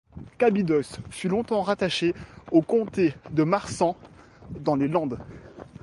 Cabidos fut longtemps rattachée au comté de Marsan, dans les Landes.